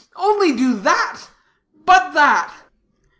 Only do that but that."